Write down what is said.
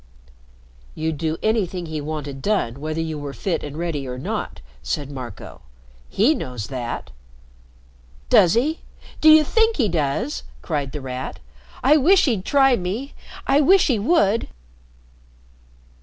"You'd do anything he wanted done, whether you were fit and ready or not," said Marco. "He knows that." "Does he? Do you think he does?" cried The Rat. "I wish he'd try me. I wish he would."